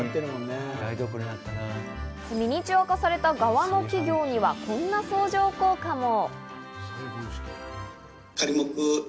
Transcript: ミニチュア化された側の企業には、こんな相乗効果も。